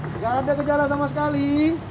tidak ada gejala sama sekali